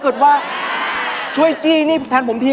ไม่มีอะไรของเราเล่าส่วนฟังครับพี่